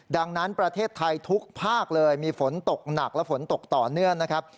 ดังนั้นประเทศไทยทุกภาคเลยมีฝนตกหนักและฝนตกต่อเนื่องนะครับ